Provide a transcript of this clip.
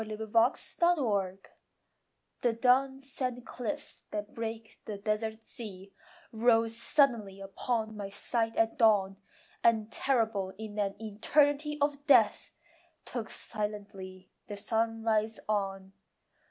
SUNRISE IN UTAH The dun sand cliffs that break the desert's sea Rose suddenly upon my sight at dawn, And terrible in an eternity Of death took silently the sunrise on.